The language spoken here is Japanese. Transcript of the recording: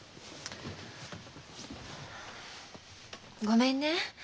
ごめんね。